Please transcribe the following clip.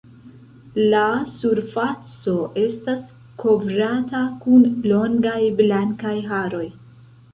La surfaco estas kovrata kun longaj blankaj haroj.